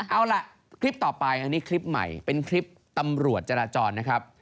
เอาล่ะคลิปต่อไปอันนี้คลิปใหม่เป็นคลิปตำรวจจราจรนะครับ